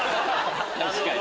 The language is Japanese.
確かに。